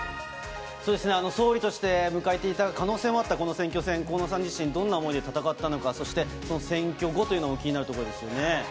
そうですね、総理として迎えていた可能性もあったこの選挙戦、河野さん自身、どんな思いで戦ったのか、そしてその選挙後というのも気になるところですよね。